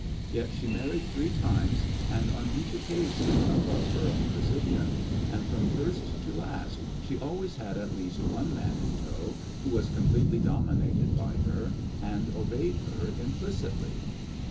Yet she married three times, and on each occasion above her own position, and from first to last she always had at least one man in tow who was completely dominated by her and obeyed her implicitly.